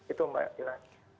itu mbak hilah